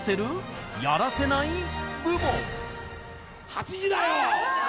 ８時だョ！